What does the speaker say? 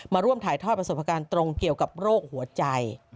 มาร่วมถ่ายทอดประสบการณ์ตรงเกี่ยวกับโรคหัวใจ